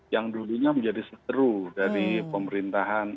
yang dulunya menjadi seteru dari pemerintahan